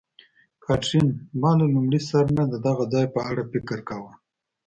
کاترین: ما له لومړي سر نه د دغه ځای په اړه فکر کاوه.